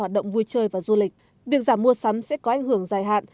hoạt động vui chơi và du lịch việc giảm mua sắm sẽ có ảnh hưởng dài hạn